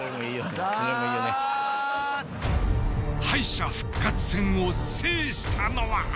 敗者復活戦を制したのは。